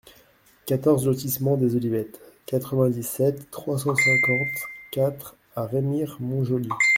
quatorze lotissement Les Olivettes, quatre-vingt-dix-sept, trois cent cinquante-quatre à Remire-Montjoly